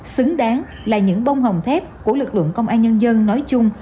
xứng đáng là những bông hồng thép của lực lượng công an nhân dân nói chung